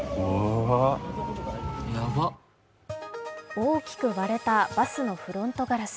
大きく割れたバスのフロントガラス。